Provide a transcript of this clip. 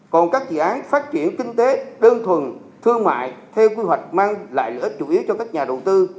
còn các dự án phát triển kinh tế đơn thuần thương mại theo quy hoạch mang lại lợi ích chủ yếu cho các nhà đầu tư